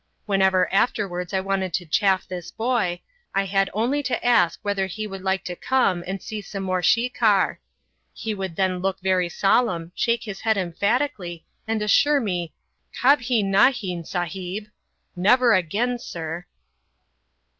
Whenever afterwards I wanted to chaff this "boy", I had only to ask whether he would like to come and see some more shikar. He would then look very solemn, shake his head emphatically and assure me "Kabhi nahin, Sahib" ("Never again, Sir").